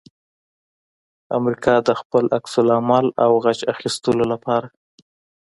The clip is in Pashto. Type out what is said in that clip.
امریکا د خپل عکس العمل او غچ اخستلو لپاره